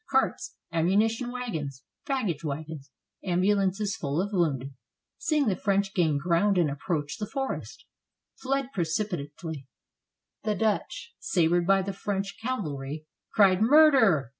Carts, ammunition wagons, baggage wagons, ambulances full of wounded, seeing the French gain ground and approach the forest, fled precipitately; the Dutch, sabered by the French cavalry cried "Murder!"